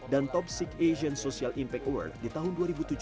dan top sikh asian social impact award di tahun dua ribu tujuh belas